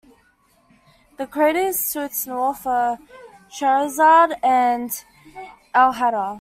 The craters to its north are Shahrazad, and Al-Haddar.